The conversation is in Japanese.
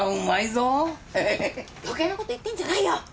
余計なこと言ってんじゃないよ。